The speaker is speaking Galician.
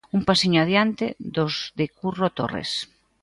Un pasiño adiante dos de Curro Torres.